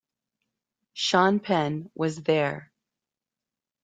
Sean Penn was there.